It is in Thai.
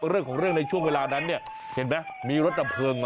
เรื่องของเรื่องในช่วงเวลานั้นเนี่ยเห็นไหมมีรถดับเพลิงมา